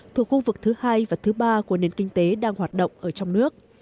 thuộc khu vực thứ hai và thứ ba của nền kinh tế đang hoạt động ở trong nước